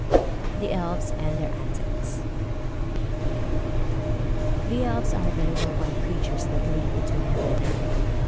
THE ELVES AND THEIR ANTICS The elves are the little white creatures that live between heaven and earth.